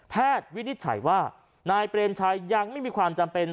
วินิจฉัยว่านายเปรมชัยยังไม่มีความจำเป็น